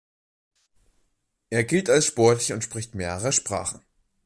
Er gilt als sportlich und spricht mehrere Sprachen.